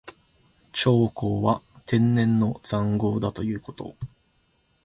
長江は天然の塹壕だということ。